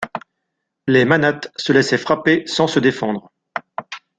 Les manates se laissaient frapper sans se défendre.